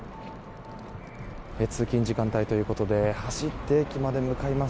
通勤時間帯ということで走って駅まで向かいます。